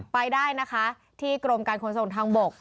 ไปได้นะคะที่กรมการขนส่งทางบก